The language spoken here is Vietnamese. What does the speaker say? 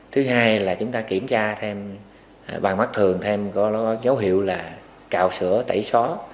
thứ hai là chúng ta kiểm tra thêm bằng mắt thường thêm có dấu hiệu là cào sữa tẩy xóa